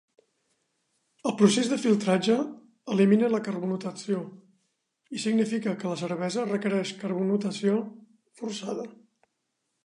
El procés de filtratge elimina la carbonatació, i significa que la cervesa requereix carbonatació forçada.